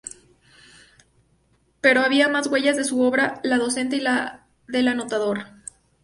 Pero había más huellas de su obra: la docente y la del anotador.